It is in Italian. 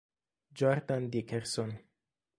Jordan Dickerson